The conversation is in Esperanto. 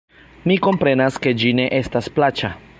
Mi komprenas, ke ĝi ne estas plaĉa.